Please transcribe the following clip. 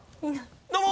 どうも！